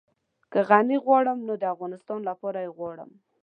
که غني غواړم نو د افغانستان لپاره يې غواړم.